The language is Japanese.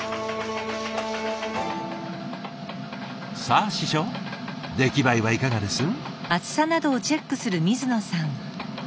さあ師匠出来栄えはいかがです？